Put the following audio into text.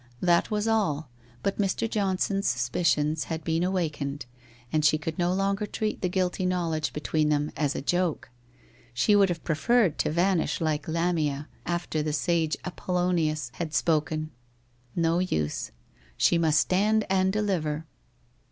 That was all, but Mr. Johnson's suspicions had been awakened, and she could no longer treat the guilty knowledge between them as a joke. She would have preferred to vanish like Lamia, after the sage Appollonius had spoken. No use. She must stand and deliver.